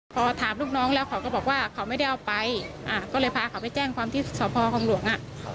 พอถามลูกน้องแล้วเขาก็บอกว่าเขาไม่ได้เอาไปก็เลยพาเขาไปแจ้งความที่สพของหลวงอ่ะ